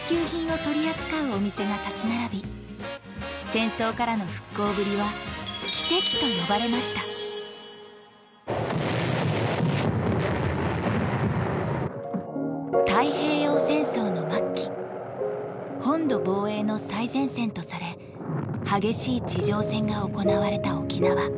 戦争からの復興ぶりは奇跡と呼ばれました太平洋戦争の末期本土防衛の最前線とされ激しい地上戦が行われた沖縄。